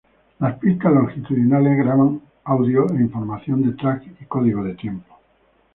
Las pistas longitudinales graban audio e información de track y código de tiempo.